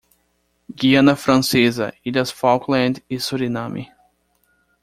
Guiana Francesa, Ilhas Falkland e Suriname.